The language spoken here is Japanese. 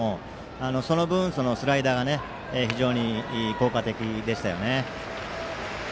その分、スライダーが非常に効果的でしたよね。